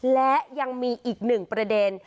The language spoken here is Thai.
และยังมีอีกหนึ่งประเด็น